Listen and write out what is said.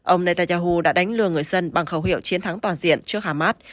ông netanyahu đã đánh lừa người dân bằng khẩu hiệu chiến thắng toàn diện trước hamas